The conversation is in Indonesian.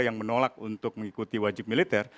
yang menolak untuk mengikuti wajib militer